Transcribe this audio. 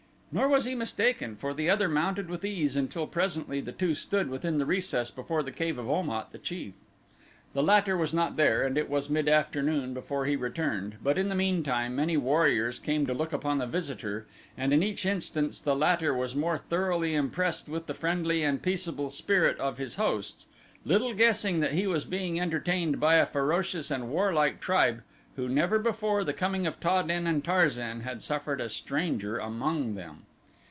Nor was he mistaken for the other mounted with ease until presently the two stood within the recess before the cave of Om at, the chief. The latter was not there and it was mid afternoon before he returned, but in the meantime many warriors came to look upon the visitor and in each instance the latter was more thoroughly impressed with the friendly and peaceable spirit of his hosts, little guessing that he was being entertained by a ferocious and warlike tribe who never before the coming of Ta den and Tarzan had suffered a stranger among them.